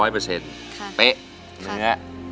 เป๊ะเนื้อ